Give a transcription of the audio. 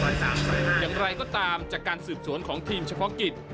อย่างไรก็ตามจากการสืบสวนของทีมเฉพาะกิจ